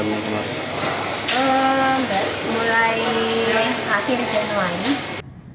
enggak mulai akhir januari